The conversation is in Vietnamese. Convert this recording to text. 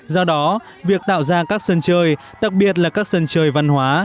do đó việc tạo ra các sân chơi đặc biệt là các sân chơi văn hóa